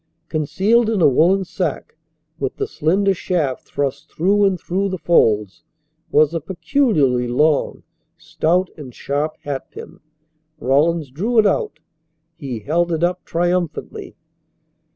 Concealed in a woollen sack, with the slender shaft thrust through and through the folds, was a peculiarly long, stout, and sharp hat pin. Rawlins drew it out. He held it up triumphantly.